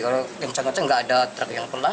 kalau kencang kencang nggak ada truk yang pelan